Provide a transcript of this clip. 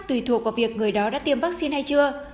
tùy thuộc vào việc người đó đã tiêm vaccine hay chưa